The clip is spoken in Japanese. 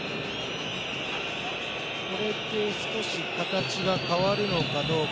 これで少し形が変わるのかどうか。